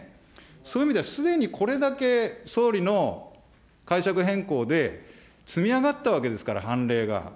そういう意味ではすでにこれだけ総理の解釈変更で、積み上がったわけですから、判例が。